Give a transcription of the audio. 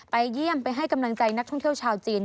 เยี่ยมไปให้กำลังใจนักท่องเที่ยวชาวจีน